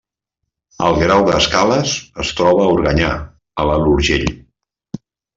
El Grau d'Escales es troba a Organyà, a l'Alt Urgell.